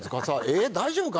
えっ大丈夫か？